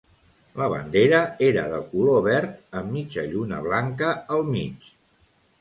La bandera era de color verd amb mitja lluna blanca al mig.